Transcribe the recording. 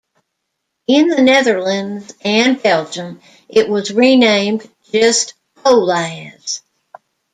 In the Netherlands and Belgium, it was renamed just "Olaz".